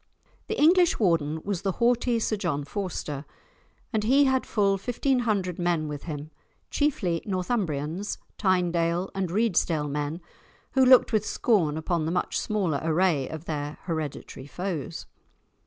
The English Warden was the haughty Sir John Forster, and he had full fifteen hundred men with him, chiefly Northumbrians, Tynedale, and Reedsdale men, who looked with scorn upon the much smaller array of their hereditary foes.